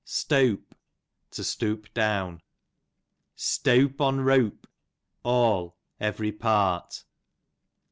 Steawp, to stoop down. Steawp on reawp, all, every part.